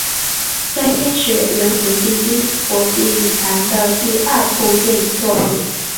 该片是元奎进军国际影坛的第二部电影作品。